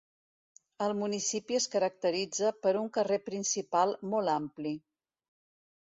El municipi es caracteritza per un carrer principal molt ampli.